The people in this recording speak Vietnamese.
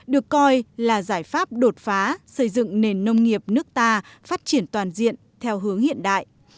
được coi là giải pháp đột phá xây dựng nền nông nghiệp nước ta phát triển toàn diện theo hướng hiện đại